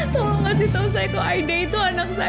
tolong kasih tahu saya kalau aida itu anak saya